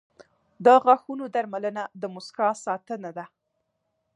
• د غاښونو درملنه د مسکا ساتنه ده.